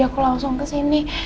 aku langsung kesini